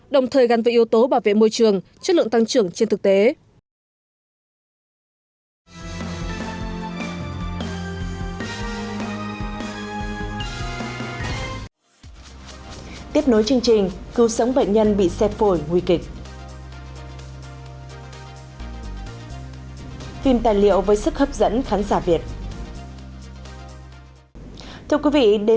đồng thời gắn với yếu tố bảo vệ môi trường chất lượng tăng trưởng trên thực tế